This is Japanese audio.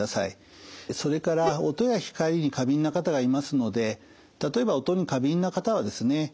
それから音や光に過敏な方がいますので例えば音に過敏な方はですね